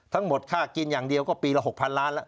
ทั้งหมดค่ากินอย่างเดียวก็ปีละ๖๐๐ล้านแล้ว